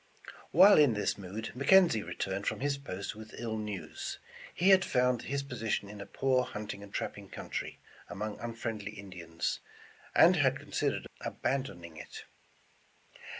While in this mood, McKenzie returned from his post with ill news. He had found his position in a poor hunting and trapping country, among unfriendly Indi ans, and had considered abandoning it.